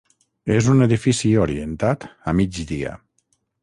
És un edifici civil orientat a migdia.